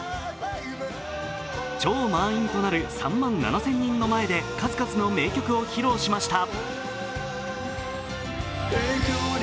超満員となる３万７０００人の前で数々の名曲を披露しました。